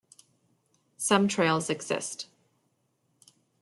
Some trails exist.